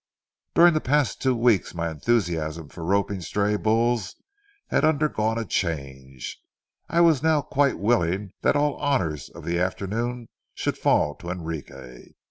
During the past two weeks my enthusiasm for roping stray bulls had undergone a change; I was now quite willing that all honors of the afternoon should fall to Enrique.